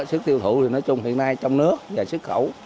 sức tiêu thụ thì nói chung hiện nay trong nước và xuất khẩu